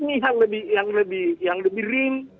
ini yang lebih ring